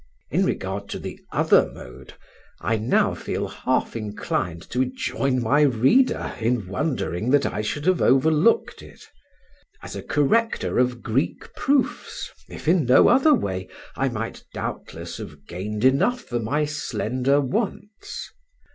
In regard to the other mode, I now feel half inclined to join my reader in wondering that I should have overlooked it. As a corrector of Greek proofs (if in no other way) I might doubtless have gained enough for my slender wants.